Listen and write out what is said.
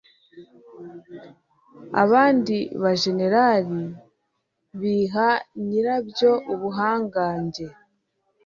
abandi ba jenerari , biha nyirabyo ubuhangange